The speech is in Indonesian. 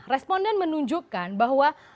responden menunjukkan bahwa